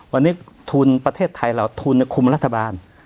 วันนี้ทุนประเทศไทยเราทุนคุมรัฐบาล